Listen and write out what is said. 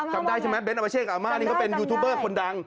จำได้ใช่มั้ยเบนต์อาปาเช่อามาเป็นยูทูปเปิดคนดัง